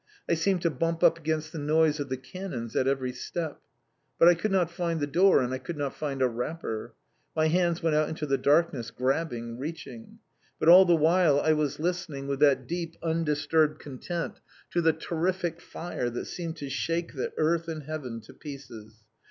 I seemed to bump up against the noise of the cannons at every step. But I could not find the door, and I could not find a wrapper. My hands went out into the darkness, grabbing, reaching. But all the while I was listening with that deep, undisturbed content to the terrific fire that seemed to shake the earth and heaven to pieces.